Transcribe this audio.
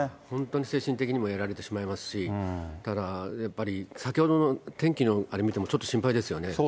本当に精神的にもやられてしまいますし、ただやっぱり、先ほどの天気のあれ見ても、ちょっと心配ですよね。